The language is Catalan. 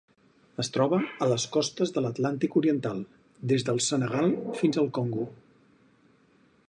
Es troba a les costes de l'Atlàntic oriental: des del Senegal fins al Congo.